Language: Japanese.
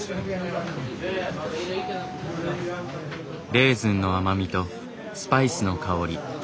レーズンの甘みとスパイスの香り。